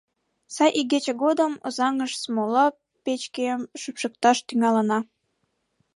Сай игече годым Озаҥыш смола печкем шупшыкташ тӱҥалына.